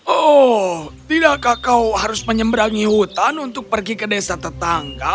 oh tidakkah kau harus menyeberangi hutan untuk pergi ke desa tetangga